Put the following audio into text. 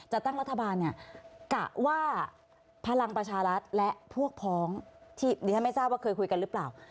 ตั้งรัฐบาลเนี่ยกะว่าพลังประชารัฐและพวกพ้องที่ดิฉันไม่ทราบว่าเคยคุยกันหรือเปล่า